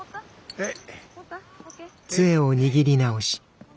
はい。